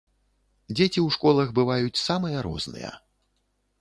Дзеці ў школах бываюць самыя розныя.